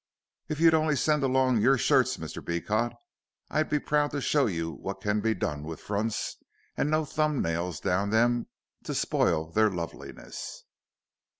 If you'd only send along your shirts, Mr. Beecot, I'd be proud to show you what can be done with fronts, an' no thumbnails down them to spile their loveliness."